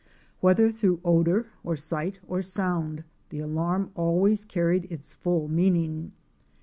Whether through odor or sight or sound, the alarm always carried its full meaning.